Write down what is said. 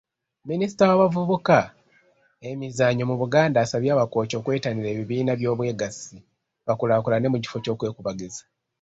Minisita w'abavubuka, emizannyo mu Buganda asabye Abakooki okwettanira ebibiina by'obwegassi bakulaakulane mu kifo ky'okwekubagiza.